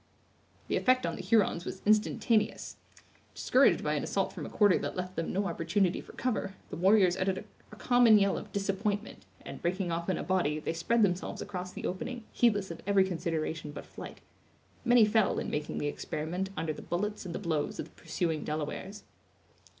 The effect on the Hurons was instantaneous. Discouraged by an assault from a quarter that left them no opportunity for cover, the warriors uttered a common yell of disappointment, and breaking off in a body, they spread themselves across the opening, heedless of every consideration but flight. Many fell, in making the experiment, under the bullets and the blows of the pursuing Delawares.